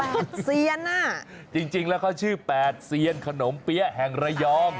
คุณเซียนอ่ะจริงแล้วเขาชื่อแปดเซียนขนมเปี๊ยะแห่งระยอง